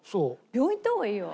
病院行った方がいいよ。